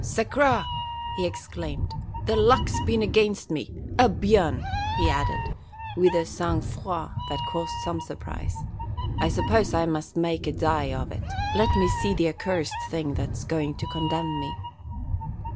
"Sacre!" he exclaimed, "the luck's been against me. Eh bien!" he added, with a sangfroid that caused some surprise, "I suppose I must make a die of it. Let me see the accursed thing that's going to condemn me!"